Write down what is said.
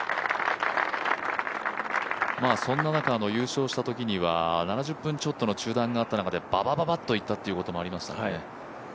そんな中、優勝したときには７０分ちょっとの中断があった中でババババッといったということもありましたね。